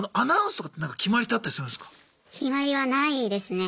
決まりはないですね。